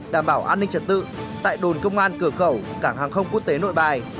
đảm bảo an ninh trật tự tại đồn công an cửa khẩu cảng hàng không quốc tế nội bài